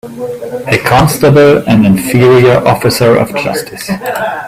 A constable an inferior officer of justice